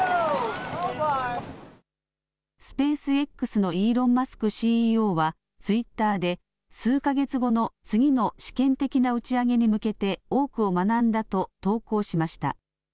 スペースＸのイーロン・マスクＣＥＯはツイッターで数か月後の次の試験的な打ち上げに向けて多くを学んだと投稿しました。